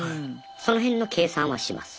その辺の計算はします。